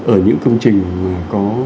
ở những công trình mà có